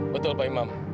betul pak imam